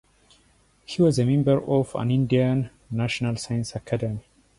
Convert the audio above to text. He was a member of the Indian National Science Academy.